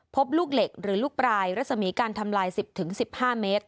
พบลูกเหล็กหรือลูกปลายรัศมีการทำลาย๑๐๑๕เมตร